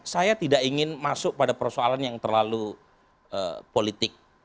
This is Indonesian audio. saya tidak ingin masuk pada persoalan yang terlalu politik